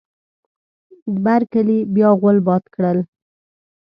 بر کلي بیا غول باد کړی.